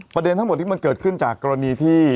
ประเด็นทั้งหมดที่มันเกิดขึ้นจากกรณีที่